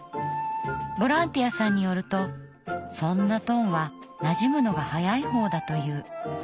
ボランティアさんによるとそんなトンはなじむのが早い方だと言う。